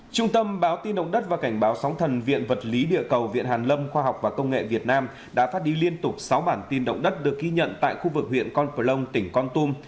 chỉ trong ngày bảy tháng hai tại khu vực huyện con polong tỉnh con tum đã xảy ra sáu trận động đất trận lớn nhất ghi nhận được lên tới bốn độ richter